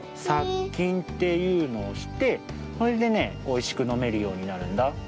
さっきんっていうのをしてそれでねおいしくのめるようになるんだ。